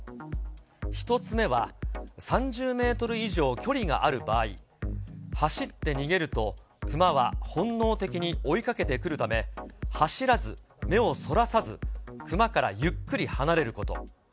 １つ目は、３０メートル以上距離がある場合、走って逃げるとクマは本能的に追いかけてくるため、走らず、目をそらさず、クマからゆっくり離れること。